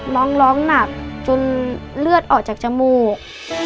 น้องร้องหนักจนเลือดออกจากจมูก